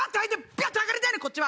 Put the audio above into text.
ゃっと上がりたいねんこっちは。